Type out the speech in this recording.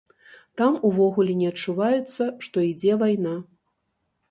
Там увогуле не адчуваецца, што ідзе вайна.